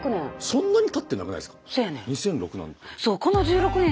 そんなにたってなくないですか？